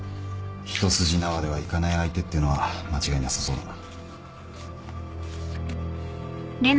一筋縄ではいかない相手っていうのは間違いなさそうだな。